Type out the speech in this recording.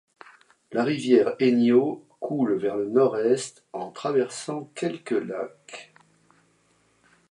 La rivière Aigneau coule vers le nord-est en traversant quelques lacs.